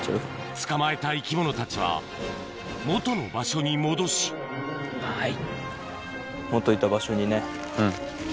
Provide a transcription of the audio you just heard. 捕まえた生き物たちは元の場所に戻しはい。